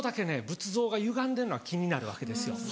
仏像がゆがんでんのが気になるわけですよ